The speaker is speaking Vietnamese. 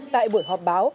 tại buổi họp báo